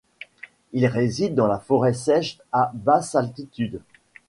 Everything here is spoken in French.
Il réside dans la forêt sèche à basse altitude.